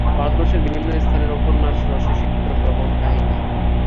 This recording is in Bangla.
ভারতবর্ষের বিভিন্ন স্থানের উপন্যাস রসে সিক্ত ভ্রমণ কাহিনী।